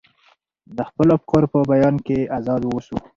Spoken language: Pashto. د خپلو افکارو په بیان کې ازاد واوسو.